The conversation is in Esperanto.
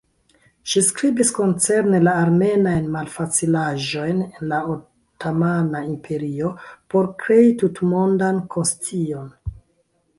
Ŝi skribis koncerne la armenajn malfacilaĵojn en la Otomana Imperio por krei tutmondan konscion.